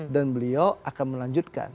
dan beliau akan melanjutkan